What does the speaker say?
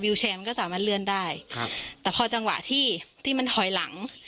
แชร์มันก็สามารถเลื่อนได้ครับแต่พอจังหวะที่ที่มันถอยหลัง